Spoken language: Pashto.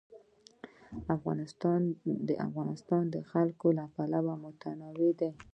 افغانستان د ژبې له پلوه متنوع دی.